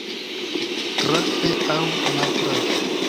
Trafe aŭ maltrafe.